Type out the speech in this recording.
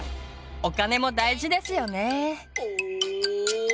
お金も大事ですよね。